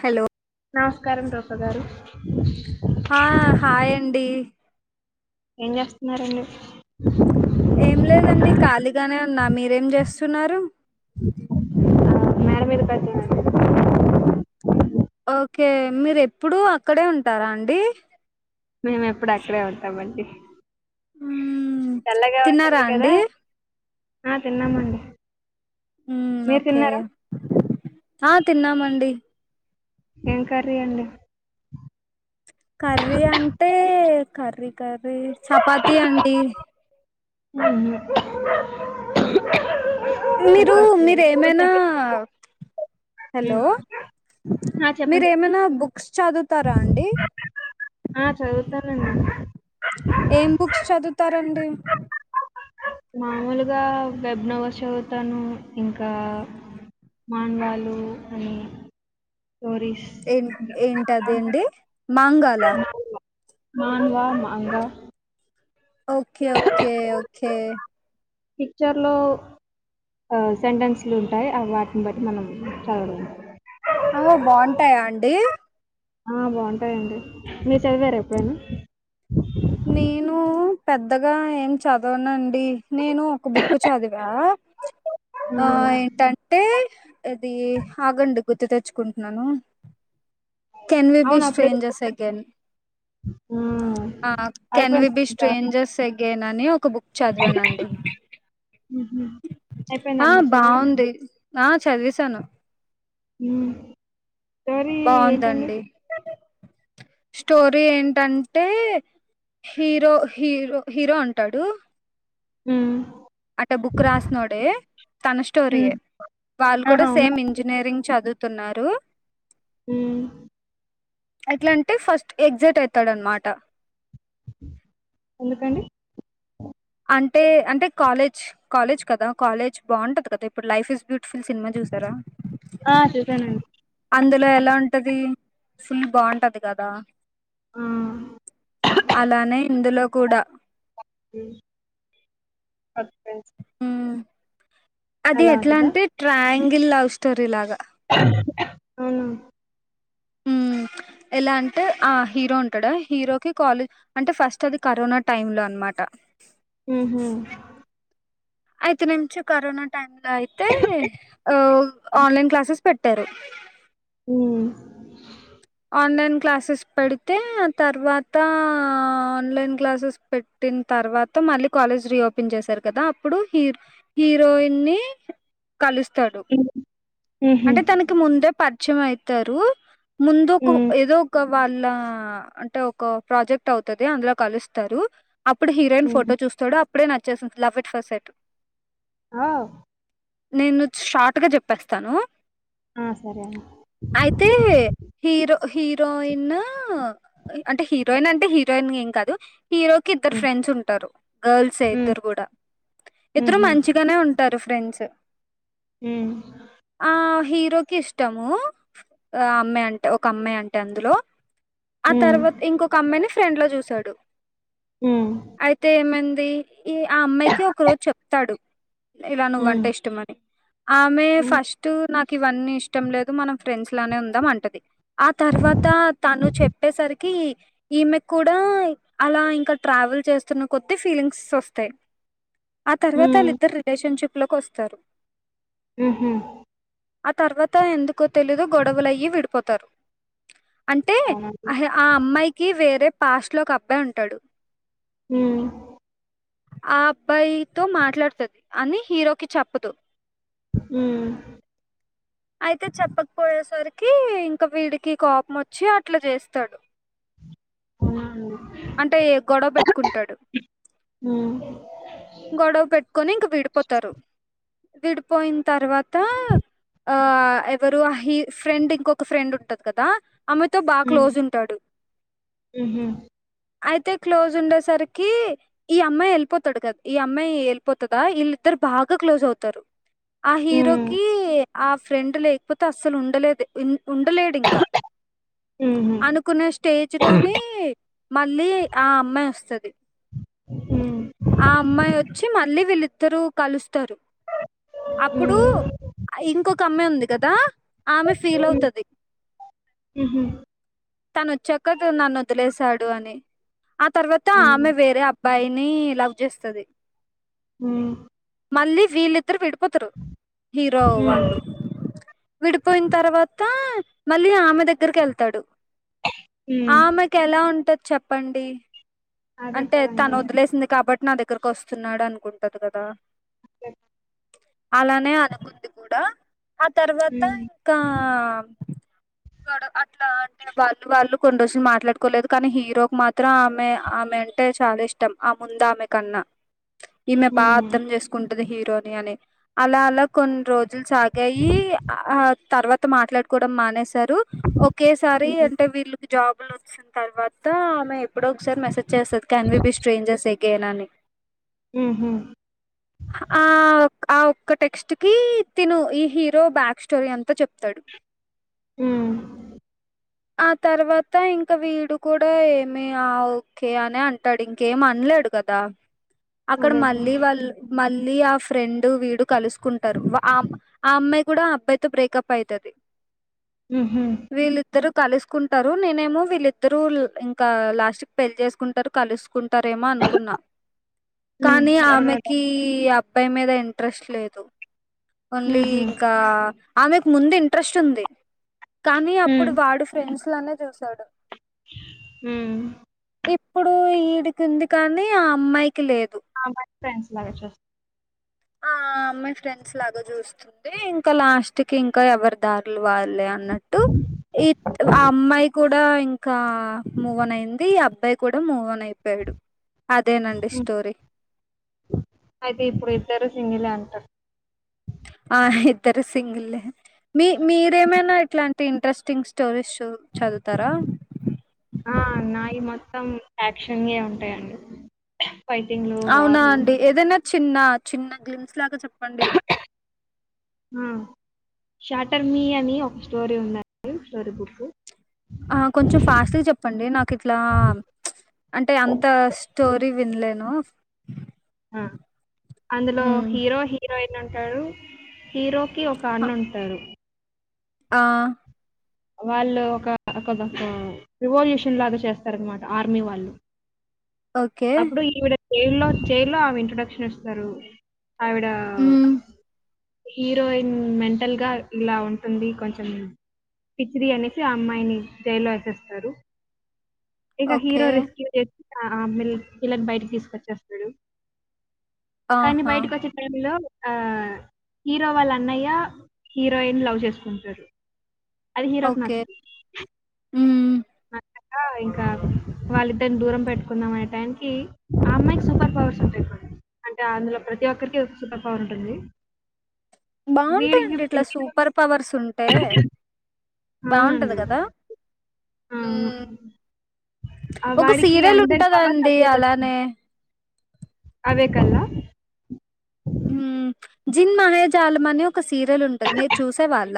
Hello నమస్కారం రూపగారు ఆ హాయండి ఏం చేస్తున్నారండి ఏం లేదండి ఖాళీగానే ఉన్నా మీరేం చేస్తున్నారు మేడ మీదకొచ్చినాను ఓకే మీరు ఎప్పుడు అక్కడే ఉంటారా అండి మేము ఎప్పుడు అక్కడే ఉంటామండి మ్మ్ తిన్నారా తెల్లగాఉంట్టుంది కదా అండి ఆ తిన్నామండి ఉ మీరు ఓకే తిన్నారా ఆ తిన్నామండి ఏం కర్రీ అండి కర్రీ అంటే కర్రీ కర్రీ చపాతి అండి ఏమిలే మీరు మీరేమైనా ఉమ్. హలో ఆ చెప్పండి చెప్పండి మీరేమైనా బుక్ క్స్ చదువుతారా అండి ఆ చదువుతానండి. ఏం బుక్స్ చదువుతారండి. మామూలుగా వెబ్ నవల్ చదువుతాను ఇంకా మాంగాలు అని స్టోరీ ఏ ఏంటది అండి మాంగాళ manga manga okay okay okay పిక్చర్లో సెంటెన్స్లు ఉంటాయి వాటిని బట్టి మనం చదవడం ఒ బావుంటాయా అండి ఆ బావుంటాయండి మీరు చదివార ఎప్పుడైనా నేను పెద్దగా ఏం చదవనండి నేను ఒక బుక్ చదివా ఆ హ్మ్. ఏంటంటే అది ఆగండి గుర్తు తెచ్చుకుంటున్నాను కెన్ వి బీ అవును. అప్పుడే స్ట్రేంజస్ అగేన్ హ్మ్. ఆ కెన్ వి అయిపోయిందా బి ఇంకా? స్ట్రేంజర్స్ ఎగేన్ అని ఒక బుక్ చదివానండి హుహు. అయిపోయిందా ఆ మరి చదవడం? బావుంది ఆ చదివేసాను మ్ స్టోరీ ఏంటండి బాగుందండి స్టోరీ ఏంటంటే హీరో హీరో హీరో ఉంటాడు హ్మ్ అట్ట బుక్ రాస్నోడే తన హ్మ్. స్టోరియే వాళ్ళు ఆహా! కూడా అవునా? సేమ్ ఇంజనీరింగ్ చదువుతున్నారు హ్మ్. ఎట్లంటే ఫస్ట్ ఎగ్జైట్ అయితాడన్నమాట ఎందుకండి అంటే అంటే కాలేజ్ కాలేజ్ కదా కాలేజ్ బావుంటది కదా ఇప్పుడు లైఫ్ ఇస్ బ్యూటిఫుల్ సినిమా చూసారా ఆ చూసానండి లో ఎలా ఉంటది ఫుల్ బావుంటది కదా హ్మ్ అలానే ఇందులో కూడా హ్మ్. కొత్త పెన్స్ అది ఎట్లా ఉంటదా? అంటే ట్రాయాంగిల్ లవ్ స్టోరీ లాగా అవునా హ్మ్ ఎలా అంటే ఆ హీరో ఉంటాడా హీరో కి కాలే అంటే ఫస్ట్ అది కరోనా టైంలో అనమాట ట్ట మ్ హు అయితేనుంచి కరోనా టైమ్ లో అయితే ఓ ఓ ఆన్లైన్ క్లాసెస్ పెట్టరు ఉ ఆన్లైన్ క్లాసెస్ పెడితే ఆతర్వాతా ఆన్లైన్ క్లాసెస్ పెట్టిన తర్ తర్వాత మళ్ళీ కాలేజ్ రీయోపెన్ చేశారు కదా అప్పుడు హీర్ హీరోయిన్ ని కలుస్తాడు హ్మ్. హుహు. అంటే తనకి ముందే పరిచయం అయితారు ముందుకు హ్మ్. ఏదో ఒక వాళ్ళా అంటే ఒక ప్రాజెక్ట్ అవుతది అందులో కొలుస్తారు అప్పుడు హీరోయిన్ ఫోటో హ్మ్. చూస్తాడు అప్పుడే నచ్చేసిన్ లవ్ ఎట్ ఫస్ట్ సైట్ అ నేను షార్ట్గ్ జేప్పేస్తాను ఆ సరే అండి హీరో హీరోయిన్ అంటే హీరోయిన్ అంటే హీరోయిన్ ఏం కాదు హీరోకి ఇద్దరు హ్మ్. ఫ్రెండ్స్ ఉంటారు గార్ల్స్ హ్మ్. ఇద్దరు కూడా ఇద్దరు హుహు. మంచిగానే ఉంటారు ఫ్రెంచ్ హ్మ్. ఆ హీరోకి ఇష్టము అఅమ్మాయి అంటే ఒక అమ్మాయి అంటే అందులో ఆ హ్మ్. తర్వాత ఇంకొ ఒక అమ్మాయిని ఫ్రెండ్ లో చూసాడు హ్మ్. అయితే ఏమంది దికిఈ ఆ అమ్మాయికి ఒక రోజు చెప్తాడు ఇలా నువ్వ హ్మ్. అంటే ఇష్టమ అని ఆమె ఏ హ్మ్. ఫస్ట్ నాకు ఇవన్నీ ఇష్టం లేదు మనం ఫ్రెండ్స్ లానే ఉందాం అంట అది ఆ తర్వాత తను చెప్పేసరికి ఈమె కూడా అలా ఇంకా ట్రా ట్రావెల్ చేస్తున్న కొత్త ఫీలింగ్స్ వస్తాయి ఆ తర్వాత వాళ్ళి హ్మ్. ఇద్దరు రిలేషన్ షిప్ లోకి వస్తారు హహ ఆ తర్వాత ఎందుకో తెలీదు గొడవల అయ్యి విడిపోతారు. అంటే అవునండి. ఆ అమ్మాయికి వేరే పాస్ట్ లో ఒక అబ్బాయి ఉంటాడు మ్ ఆ అబ్బాయితో మాట్లాడుతది అని హీరోకి చెప్పదు మ్ అయితే చెప్పకపోయేసరికి ఇంకా వీడికి కోపం వచ్చి అట్లా చేస్తాడు అవునా అండి. అంటే గొడవ పెట్టుకుంటాడు హ గొడవ పెట్టుకొని ఇంక విడిపోతారు విడిపోయిన తర్వాత ఆ ఎవరు అహ ఫ్రెండ్ ఇంకొక ఫ్రెండ్ ఉంట అది కదా ఆమెతో బాగా హ్మ్. క్లోజ్ ఉంటాడు హుహు. అయితే క్లోజ్ ఉండేసరికి ఈ అమ్మాయి వెళ్ళిపోతాడు కదా ఈ అమ్మాయి వెళ్ళిపోతదా వీళ్ళి ఇద్దరు బాగా క్లోజ్ అవుతారు ఆ హీరో హ్మ్. కి ఆ ఫ్రెండ్ లేకపోతే అస్సలు ఉండలేదు ఉండలేడు ఇంకా హుహు. అనుకున్న స్టేజ్ లోనే మళ్ళీ ఆ అమ్మాయి వస్త అది హ్మ్. ఆ అమ్మాయి వచ్చి మళ్ళీ వీళ్ళి ఇద్దరూ కలుస్తారు అప్పుడు హ్మ్. ఇంకొక అమ్మ ఉంది కదా ఆమె ఫీల్ అవుతఅది హహ తను వచ్చాక నన్ను వదిలేసాడు అని ఆ తర్వాత అవును. ఆమె వేరే అ బ్బాయి ని లవ్ చేస్త అది ఊ మళ్ళీ వీళ్ళిద్దరు విడిపోతారు హీరో హ్మ్. వాళ్ళు విడిపోయిన తర్వాత మళ్ళీ ఆమె దగ్గరికి వెళ్తాడు హ్మ్. ఆమెకు ఎలా ఉంటది చెప్పండి అదే అంటే కదే తను వదిలేసింది కాబట్టి నా దగ్గరకు వస్తున్నాడు అనుకుంటది కదా అతే అలానే అనుకుంది కూడా ఆ తర్వాత హ్మ్. ఇంకా అట్లా అంటే వాళ్ళు వాళ్ళు కొన్ని రోజులు మాట్లాడుకోలేదు కానీ హీరోకి మాత్రం ఆమె ఆమె అంటే చాలా ఇష్టం ఆ ముంద ఆమె కన్నా ఈమె పా హ్మ్. అర్థం చేసుకుం టది హీరోని అని అలా అలా కొన్ని రోజులు సాగాయి ఆ తర్వాత మాట్లాడు కోడం మానేశారు ఒకేసారి హుహు. అంటే వీళ్ళు. జాబు లోచ్చిన తర్వాత ఆమె ఎప్పుడో ఒకసారి మెసేజ్ చేస్తది క్యాన్ బి బిష్ స్ట్రెయింజర్స్ అగైన్ అని ఊహు ఆ ఒక్ ఆ ఒక్క టెక్స్ట్ కి తిను ఈ హీరో బ్యాక్ స్టోరీ అంతా చెప్తాడు ఊ ఆ తర్వాత ఇంకా వీడు కూడా ఏమి ఆ ఓకే అని అంటాడు ఇంకేం అన్ లేడు కదా అక్కడ అదే కదా! మళ్ళీ వాల్ మళ్ళీ ఆఫ్ ఫ్రెండ్ వీడు కలుసుకుంటారు వ ఆ ఆ అమ్మాయి కూడా అబ్బాయితో బ్రేకప్ ఐతది ఊహు కలుసుకుంటారు నేనేమో వీళ్ళిద్దరు ఇంకా లాస్ట్క్ పెళ్ళి చేసుకుంటారు కలుసుకుంటారేమో అనుకున్న హ్మ్. కానీ జరగాలి. ఆమెకి ఆ అబ్బాయి మీద ఇంట్రెస్ట్ లేదు. ఓన్లీ హుహు. ఇంకా ఆమెకు ముందు ఇంట్రెస్ట్ ఉంది కానీ అప్ అప్పుడు హ్మ్. వాడు ఫ్రెండ్స్ లానే చూశాడు ఊ ఇప్పుడు ఈడికి ఉంది కానీ ఆ అమ్మాయి ఆ అమ్మాయి ఫ్రెండ్స్ లాగా చూస్ ఆ అమ్మాయి ఫ్రెండ్స్ లాగా చూస్తుంది ఇంకా లాస్ట్ కి ఇంకా ఎవరి దారులు వార్ లే అన్నట్టు ఈత్ ఆ అమ్మాయి కూడా కూడా ఇంకా మూవన్ అయింది అబ్బాయి కూడా మూవాన్ అయిపోయాడు. అదేనండి హ్మ్. స్టోరి అయితే ఇప్పుడు ఇద్దరు సింగిలే అంట ఆ ఇద్దరు సింగిలే మీ మీరేమైనా ఇట్లాంటి ఇంట్రెస్టింగ్ స్టోరీస్ చు చదువుతారా ఆ నాయి మొత్తం యాక్షన్ ఏ ఉంటాయండి. ఫైటింగ్లు అవునా వార్లు అండి ఏదైనా చిన్న చిన్న గ్లిమ్స్ లాగా చెప్పండి అ షాటర్ మీ అని ఒక స్టోరీ ఉంది స్టోరీ బుకు ఆ కొంచెం ఫాస్ట్గా చెప్పండి నాకు ఇట్లా ప్చ్ అంటే అంత స్టోరీ విన్లేను అ అందులో హ్మ్ హీరో హీరోయిన్ ఉంటరు హీరో కి ఒక హ అన్ను ఉంటరు ఆ వాళ్ళు ఒక ఒక రివల్యూషన్ లాగా చేస్తారనమాట ఆర్మీ వాళ్ళు ఓకే అప్పుడు ఈవిడ చేల్లో చేల్లో ఆవి ఇంట్రొడక్షన్ ఇస్తారు ఆవిడ మ్మ్ హీరోయిన్ మెంటల్ గా ఇలా ఉంటుంది కొంచెం పిచి అనేసి ఆ అమ్మాయిని జయలో వేసేస్తారు ఇక ఓకే హీరో రెస్క్యూ చేసి మి పిల్లన్ బయటికి తీసుకొచ్చేస్తాడు కానీ ఆహా బయటకి వచ్చే టైమ్ లో ఆ హీరో వాళ్ళ అన్నయ్య హీరోయిన్ లవ్ చేసుకుంటారు అది హీరోకి ఓకే నాచ్ హ్మ్ ఇంకా వాళ్ళిద్దరిని దూరం పెట్టుకుందాం అనే టైనికి ఆ అమ్మాయికి సూపర్ పవర్స్ ఉంటాయి అంటే అందులో ప్రతి ఒక్కరికి సూపర్ పవర్ ఉంటుంది వీడికి బాగుంటాయిండి ఇట్లా సూపర్ పవర్స్ ఉంటే బాగుంటది అవునండి కదా అవును ఆ! ఒక వాడికి సీరియల్ అందరి ఉంటందా పవర్ అండి అలానే అదే కదా హ్మ్ జిన్ మహేజాలం అని ఒక సీరియల్ ఉంటది మీరు చూసే వాళ్ళ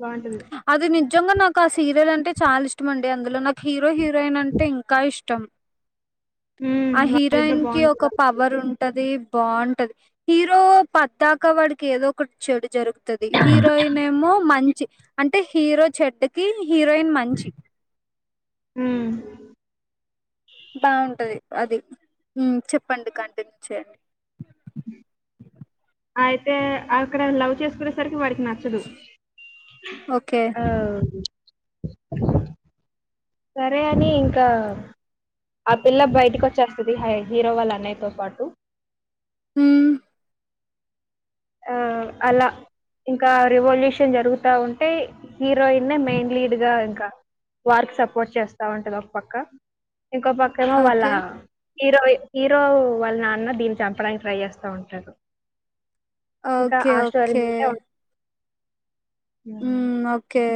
బాగుంటది నిజంగా నాకు ఆ సీరియల్ అంటే చాలా ఇష్టంమండి అందులో నాకు హీరో హీరోయిన్ అంటే ఇంకా ఇష్టం హ్మ్. ఆ వాళ్ళిద్దరు హీరోయిన్ కి ఒక బావుంటారు. పవర్ ఉంటది బాగుంటది హీరో పద్దాకా వాడికి ఏదో ఒకటి చెడు జరుగుతుంది తది హీరోయిన్ ఏమో మంచి అంటే హీరో చెడ్కి హీరోయిన్ మంచి మ్మ్ బాగుంటది అది చెప్పండి కంటిన్యూ చేయండి హ అయితే అక్కడ లవ్ చేసుకునేసరికి వాడికి నాచ్చదు ఓకే అ సరే అని ఇంకా ఆ పిల్ల బయటకి వచ్చేస్తుది హీరో వాళ్ళ అన్నయ్యతో పాటు మ్మ్ ఆ అలా ఇంకా రివల్యూషన్ జరుగుతా ఉంటే హీరోయినే మెయిన్ లీడ్ గా ఇంకా వార్క్ సపోర్ట్ చేస్తా ఉంటది ఒక పక్క ఇంకో పక్కమో వాళ్ళ ఓకే హీరో హీరో వాళ్ళ నాన్న దీన్ని చంపడానికి ట్రై చేస్తా ఉంటారు ఇంకా ఓకే ఆ స్టోరీ ఓకే మీదే హ్మ్ మ్మ్ ఓకే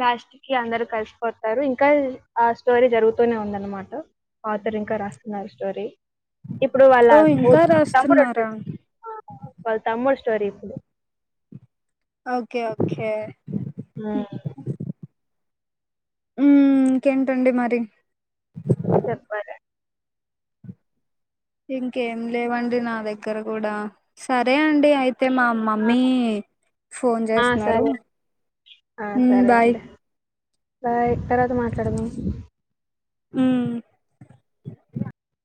లాస్ట్ కి అందరు కలిసిపోతారు ఇంకా ఆ స్టోరీ జరుగుతూనే ఉందన్నమాట ఆతర్ ఇంకా రాస్తున్నారు స్టోరీ ఇప్పుడు వాళ్ళ ఓ ఇంకా తమ్ముడు వ రాస్తున్నారా వాళ్ళ తమ్ముడు స్టోరీ ఇప్పుడు ఓకే ఓకే ఆ హ్మ్ ఇంకేంటండి మరి చెప్పాలా ఇంకేం లేవండి నా దగ్గర కూడా సరే అండి అయి తే మా ఆ! మమ్మీ ఫోన్ ఆ! చేస్తున్నారు సరే. ఆ ఉమ్ సరే బాయ్ అండి బాయ్ తర్వాత మాట్లాడదాం ఉమ్